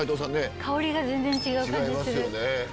香りが全然違う感じする。